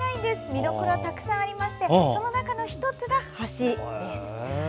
見どころがたくさんありましてその中の１つが橋です。